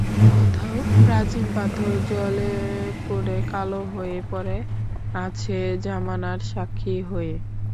কোথাও প্রাচীন পাথর জ্বলেপুড়ে কালো হয়ে পড়ে আছে জামানার সাক্ষী হয়ে।